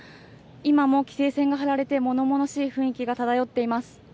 今も規制線が張られて、ものものしい雰囲気が漂っています。